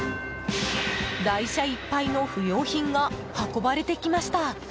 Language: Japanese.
台車いっぱいの不用品が運ばれてきました。